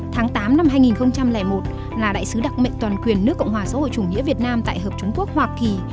tháng tám năm hai nghìn một là đại sứ đặc mệnh toàn quyền nước cộng hòa xã hội chủ nghĩa việt nam tại hợp trung quốc hoa kỳ